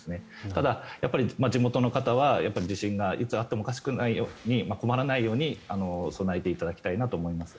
ただ、地元の方は地震がいつあってもおかしくないように困らないように備えていただきたいなと思います。